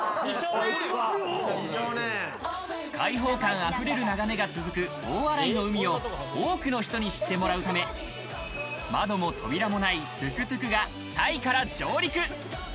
開放感溢れる眺めが続く大洗の海を多くの人に知ってもらうため、窓も扉もないトゥクトゥクがタイから上陸。